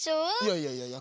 いやいやいや。